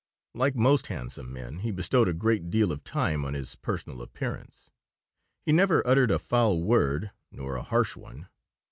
Like most handsome men, he bestowed a great deal of time on his personal appearance. He never uttered a foul word nor a harsh one.